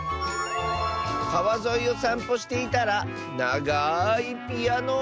「かわぞいをさんぽしていたらながいピアノをみつけた！」。